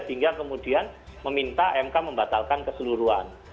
sehingga kemudian meminta mk membatalkan keseluruhan